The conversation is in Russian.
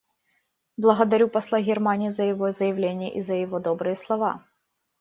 Благодарю посла Германии за его заявление и за его добрые слова.